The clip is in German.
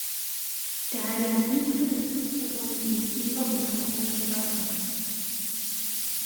Der heilige Dietrich ist Schutzpatron gegen Fieber und Patron der Stadt Reims.